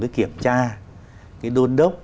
cái kiểm tra cái đôn đốc